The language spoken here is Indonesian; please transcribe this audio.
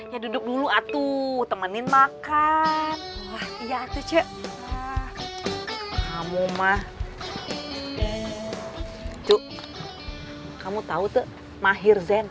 ya duduk dulu atuh temenin makan ya tuh cukup kamu mah cukup kamu tahu tuh mahir zen